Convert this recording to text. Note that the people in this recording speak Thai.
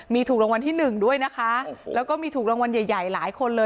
มีถูกรางวัลที่หนึ่งด้วยนะคะแล้วก็มีถูกรางวัลใหญ่ใหญ่หลายคนเลย